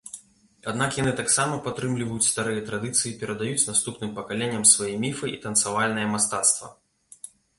Аднак яны таксама падтрымліваюць старыя традыцыі, перадаюць наступным пакаленням свае міфы і танцавальнае мастацтва.